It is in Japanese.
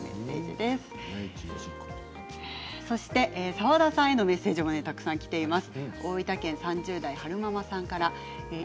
澤田さんへのメッセージもたくさんきています。